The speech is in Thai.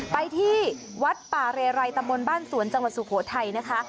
ไปที่วัดป่าเรไรตำบลบ้านสวนจังหวัดสุโขทัยนะคะ